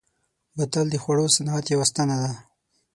بوتل د خوړو صنعت یوه ستنه ده.